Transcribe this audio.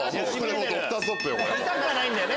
痛くはないんだよね？